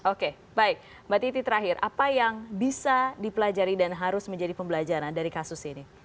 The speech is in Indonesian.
oke baik mbak titi terakhir apa yang bisa dipelajari dan harus menjadi pembelajaran dari kasus ini